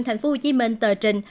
thành phố hồ chí minh tờ trình